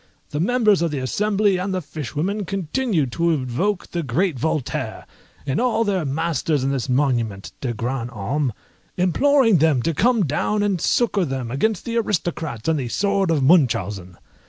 The members of the Assembly, and the fishwomen, continued to invoke their great Voltaire, and all their masters in this monument de grands hommes, imploring them to come down and succour them against the Aristocrats and the sword of Munchausen.